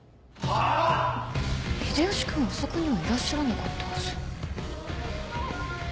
はぁ⁉秀吉君あそこにはいらっしゃらなかったはず。